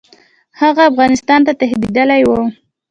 هغه افغانستان ته تښتېدلی وو.